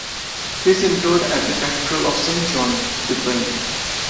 He is interred at the Cathedral of Saint John the Divine.